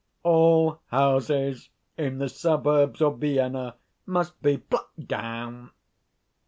_ All houses in the suburbs of Vienna must be plucked down.